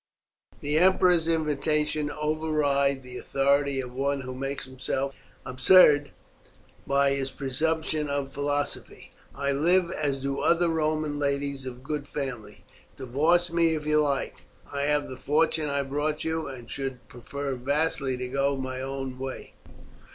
"The emperor's invitations override the authority of one who makes himself absurd by his presumption of philosophy. I live as do other Roman ladies of good family. Divorce me if you like; I have the fortune I brought you, and should prefer vastly to go my own way."